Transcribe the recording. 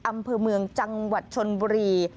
อำเภอเมืองจังหวัดชนบุรี